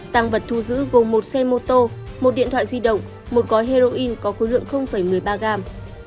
tăng vật thu giữ gồm một xe mô tô một điện thoại di động một gói heroin có khối lượng một mươi ba gram